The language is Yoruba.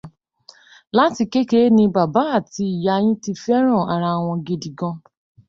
Láti kékeré ní bàbá àti ìyá yín ti fẹ́ràn ara wọn gidi gan.